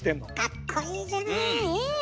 かっこいいじゃないええ！